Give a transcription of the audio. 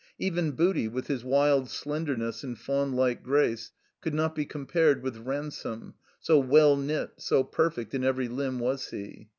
Even Booty, with his wild slendemess and faunlike grace, could not be compared with Ransome, so well knit, so perfect in every limb was he.